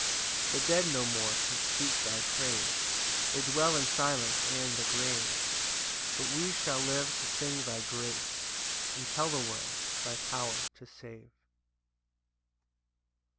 8 The dead no more can speak thy praise, They dwell in silence and the grave; But we shall live to sing thy grace, And tell the world thy power to save.